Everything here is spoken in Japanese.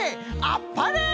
あっぱれ！